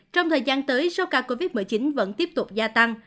trong thời gian tới số ca covid một mươi chín vẫn tiếp tục gia tăng